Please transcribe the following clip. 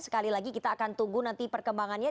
sekali lagi kita akan tunggu nanti perkembangannya